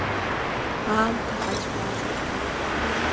Аамҭа ҳацәмаҷуп.